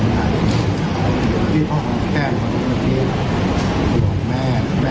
เพราะว่าเธอมีอะไรเกิดขึ้นฮะ